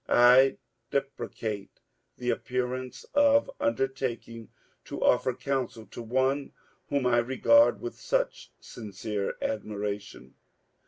I deprecate the appearance of undertaking to offer counsel to one whom I regard with such sincere admiration.